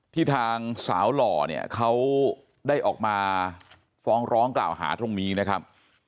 ทางสาวหล่อเนี่ยเขาได้ออกมาฟ้องร้องกล่าวหาตรงนี้นะครับ